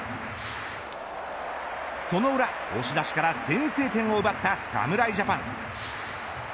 その裏、押し出しから先制点を奪った侍ジャパン。